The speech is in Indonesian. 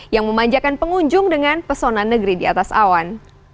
yang memanjakan pengunjung dengan pesona negeri di atas awan